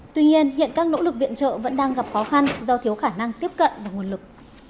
tuy nhiên hiện các nỗ lực viện trợ vẫn đang gặp khó khăn do thiếu khả năng tiếp cận và nguồn lực